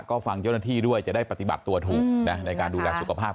ก็ฟังเจ้าหน้าที่ด้วยจะได้ปฏิบัติตัวถูกนะในการดูแลสุขภาพ